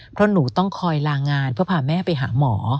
เพราะหนูต้องคอยลางานเพื่อพาแม่ไปหาหมอ